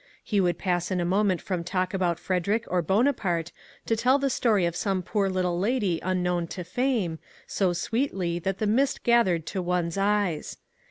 He would pass in a moment from talk about Frederick or Bonaparte to tell the story of some poor little lady unknown to fame, so sweetly that the mist gathered to one's eyes.